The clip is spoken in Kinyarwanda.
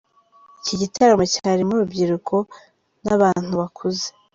Iki gitaramo cyarimo urubyiruko n'abantu bakuze.